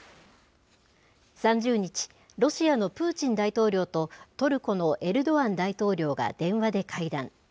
３０日、ロシアのプーチン大統領と、トルコのエルドアン大統領が電話で会談。